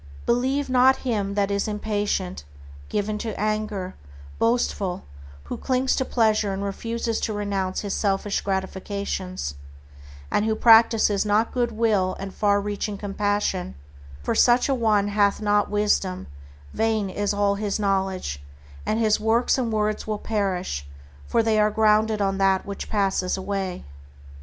Believe not him that is impatient, given to anger, boastful, who clings to pleasure and refuses to renounce his selfish gratifications, and who practices not good will and far reaching compassion, for such a one hath not wisdom, vain is all his knowledge, and his works and words will perish, for they are grounded on that which passes away.